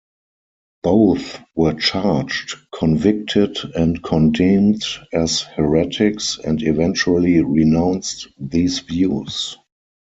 Both were charged, convicted, and condemned as heretics, and eventually renounced these views.